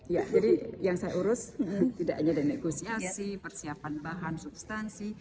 ya jadi yang saya urus tidak hanya dari negosiasi persiapan bahan substansi